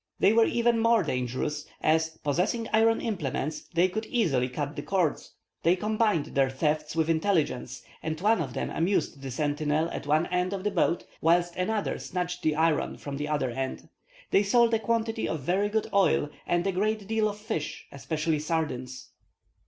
They were even more dangerous, as, possessing iron implements, they could easily cut the cords. They combined their thefts with intelligence, and one of them amused the sentinel at one end of the boat, whilst another snatched the iron from the other end. They sold a quantity of very good oil, and a great deal of fish, especially sardines.